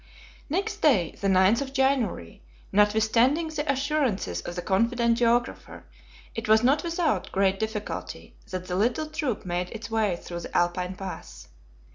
Next day, the 9th of January, notwithstanding the assurances of the confident geographer, it was not without great difficulty that the little troop made its way through the Alpine pass.